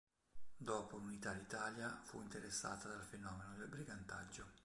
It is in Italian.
Dopo l'unità d'Italia fu interessata dal fenomeno del brigantaggio.